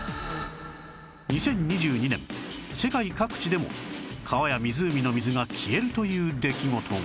２０２２年世界各地でも川や湖の水が消えるという出来事が